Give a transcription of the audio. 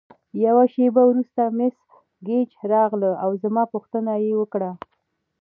یوه شیبه وروسته مس ګیج راغله او زما پوښتنه یې وکړه.